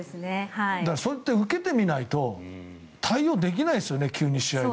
そうやって受けてみないと対応できないですよね、試合で。